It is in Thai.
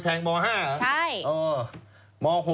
ก็แสดงม๖ไปแทงม๕หรอ